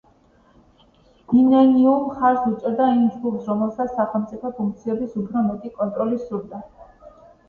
ინენიუ მხარს უჭერდა იმ ჯგუფს, რომელსაც სახელმწიფო ფუნქციების უფრო მეტი კონტროლი სურდა.